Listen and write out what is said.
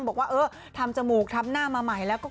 บอกว่าเออทำจมูกทำหน้ามาใหม่แล้วก็